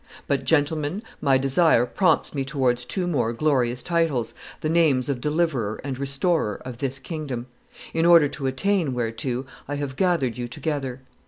But, gentlemen, my desire prompts me towards two more glorious titles, the names of deliverer and restorer of this kingdom. In order to attain whereto I have gathered you together.